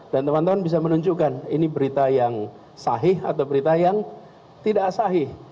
dan teman teman bisa menunjukkan ini berita yang sahih atau berita yang tidak sahih